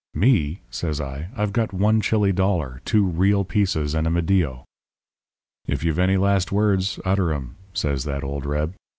"'Me?' says I. 'I've got one Chili dollar, two real pieces, and a medio.' "'Then if you've any last words, utter 'em,' says that old reb.